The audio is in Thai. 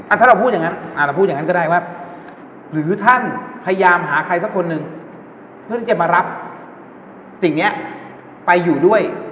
ถ้าเราพูดอย่างนั้นเราพูดอย่างนั้นก็ได้ว่าหรือท่านพยายามหาใครสักคนหนึ่งเพื่อที่จะมารับสิ่งนี้ไปอยู่ด้วย